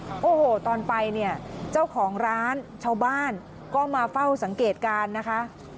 โอ้โหตอนไปเนี่ยเจ้าของร้านชาวบ้านก็มาเฝ้าสังเกตการณ์นะคะ